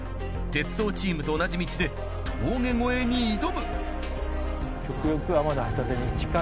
鉄道チームと同じ道で峠越えに挑む。